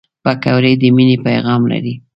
پکورې د مینې پیغام لري